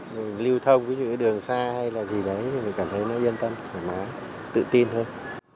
mình lưu thông với những đường xa hay là gì đấy thì mình cảm thấy nó yên tâm tự tin hơn